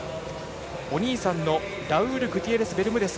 お兄さんのラウル・グティエレスベルムデス。